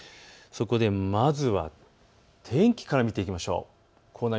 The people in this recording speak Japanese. まずは天気から見ていきましょう。